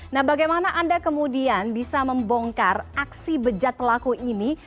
nah bagaimana anda kemudian bisa membongkar aksi bejat pelaku ini